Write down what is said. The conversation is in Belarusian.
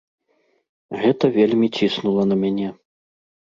Гэта вельмі ціснула на мяне.